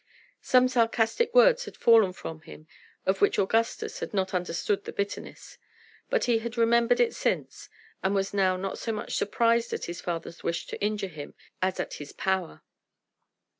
Some sarcastic words had fallen from him of which Augustus had not understood the bitterness. But he had remembered it since, and was now not so much surprised at his father's wish to injure him as at his power.